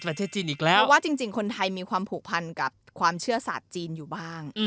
เพราะว่าจริงคนไทยมีความผูกพันกับความเชื่อสาธิจีนอยู่บ้าง